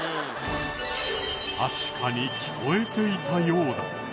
確かに聞こえていたようだ。